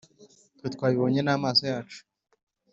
twe twabibonye n’amaso yacu